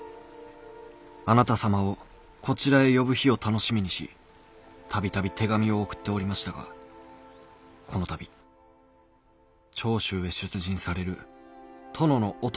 あなた様をこちらへ呼ぶ日を楽しみにし度々手紙を送っておりましたがこの度長州へ出陣される殿のお供をするよう命じられました」。